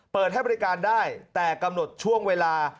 เปิดให้บริการได้แต่กำหนดช่วงเวลา